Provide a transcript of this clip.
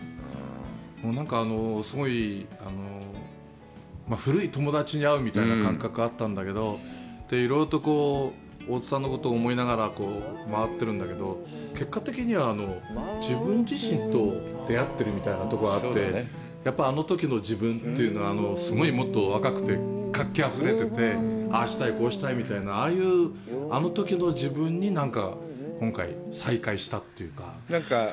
なんかすごい古い友達に会うみたいな感覚あったんだけど、いろいろとこう、大津さんのことを思いながら回ってるんだけど、結果的には自分自身と出会ってるみたいなのがあって、やっぱりあのときの自分というのはすごいもっと若くて活気にあふれてて、ああしたい、こうしたいみたいな、あのときの自分になんか、今回、再会したというか。